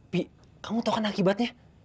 pi kamu tau akibatnya